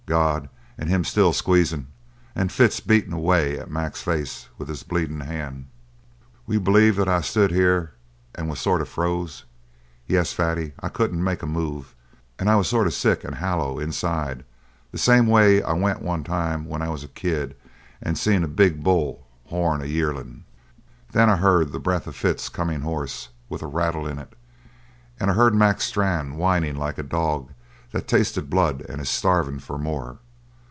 God! And him still squeezin', and Fitz beatin' away at Mac's face with his bleedin' hand. "Will you b'lieve that I stood here and was sort of froze? Yes, Fatty, I couldn't make a move. And I was sort of sick and hollow inside the same way I went one time when I was a kid and seen a big bull horn a yearlin'. "Then I heard the breath of Fitz comin' hoarse, with a rattle in it and I heard Mac Strann whining like a dog that's tasted blood and is starvin' for more.